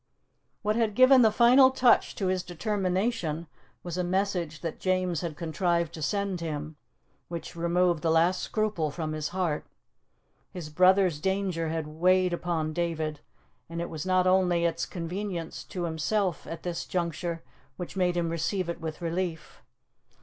What had given the final touch to his determination was a message that James had contrived to send him, which removed the last scruple from his heart. His brother's danger had weighed upon David, and it was not only its convenience to himself at this juncture which made him receive it with relief.